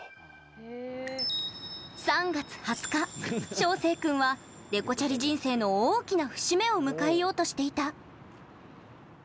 ３月２０日、翔星君はデコチャリ人生の大きな節目を迎えようとしていた。